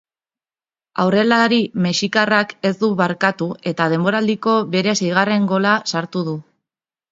Aurrelari mexikarrak ez du barkatu eta denboraldiko bere seigarren gola sartu du.